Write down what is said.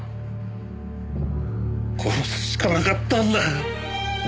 殺すしかなかったんだ。